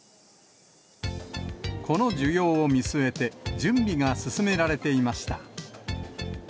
この需要を見据えて、準備が進められていました。